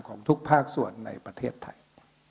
ของทุกภาคส่วนในประเทศไทย